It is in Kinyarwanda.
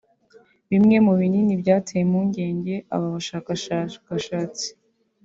Bimwe mu binini byateye impungenge aba bashakashatsi